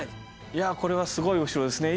いやこれはすごいお城ですね。